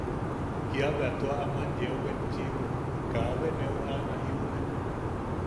Kiabea tua aman yeo betchiʼibo kaabe neu jana jiune.